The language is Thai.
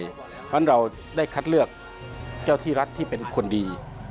เพราะฉะนั้นเราได้คัดเลือกเจ้าที่รัฐที่เป็นคนดี